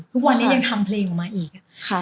ทุกวันนี้ยังทำเพลงออกมาอีก